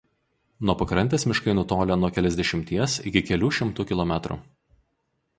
Nuo pakrantės miškai nutolę nuo keliasdešimties iki kelių šimtų kilometrų.